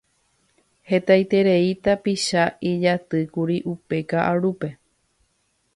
Hetaiterei tapicha ijatýkuri upe kaʼarúpe.